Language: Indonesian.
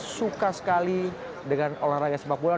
suka sekali dengan olahraga sepak bola